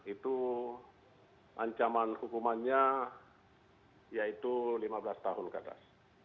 itu ancaman hukumannya yaitu lima belas tahun ke atas